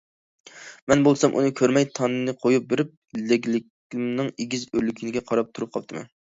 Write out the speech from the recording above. مەن بولسام، ئۇنى كۆرمەي تانىنى قويۇپ بېرىپ لەگلىكىمنىڭ ئېگىز ئۆرلىگىنىگە قاراپ تۇرۇپ قاپتىمەن.